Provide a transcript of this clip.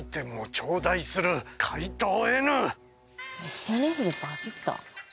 ＳＮＳでバズった？